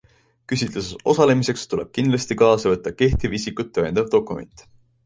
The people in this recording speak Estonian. Küsitluses osalemiseks tuleb kindlasti kaasa võtta kehtiv isikut tõendav dokument.